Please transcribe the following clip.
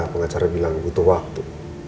pengacara bilang butuh waktu